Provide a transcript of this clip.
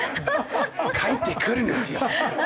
返ってくるんですよ。